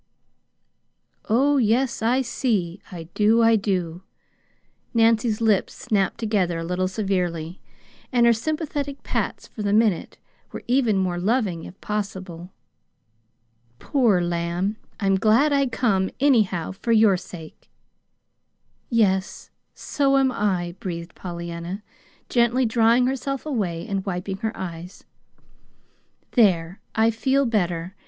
"Oh, yes, I see, I do, I do." Nancy's lips snapped together a little severely, and her sympathetic pats, for the minute, were even more loving, if possible. "Poor lamb! I'm glad I come, anyhow, for your sake." "Yes, so am I," breathed Pollyanna, gently drawing herself away and wiping her eyes. "There, I feel better.